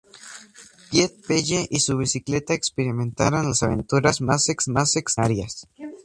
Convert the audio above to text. Piet Pelle y su bicicleta experimentaron las aventuras más extraordinarias.